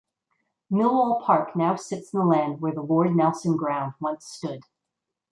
Millwall Park now sits on the land where the Lord Nelson Ground once stood.